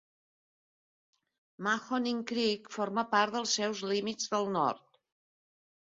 Mahoning Creek forma part dels seus límits del nord.